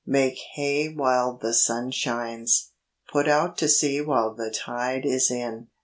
'Make hay while the sun shines.' 'Put out to sea while the tide is in.